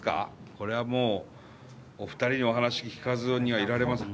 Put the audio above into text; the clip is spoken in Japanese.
これはもう、お二人にお話を聞かずにはいられません。